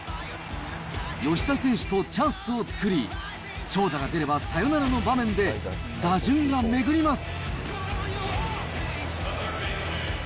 吉田選手とチャンスを作り、長打が出ればサヨナラの場面で、打順が巡ります。